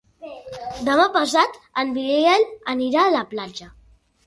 Demà passat en Biel anirà a la platja.